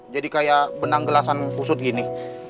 jadi kayak benang gelasan pusut gini